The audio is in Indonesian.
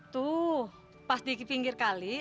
tuh pas diki pinggir kali